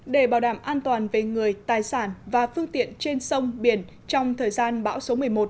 để bảo đảm an toàn về người tài sản và phương tiện trên sông biển trong thời gian bão số một mươi một